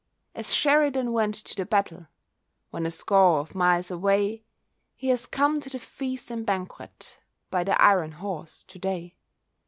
As Sheridan went to the battle, When a score of miles away, He has come to the feast and banquet, By the iron horse to day.